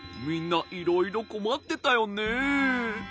みんないろいろこまってたよね。